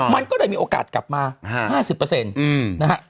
มันก็เลยมีโอกาสกลับมา๕๐นะฮะ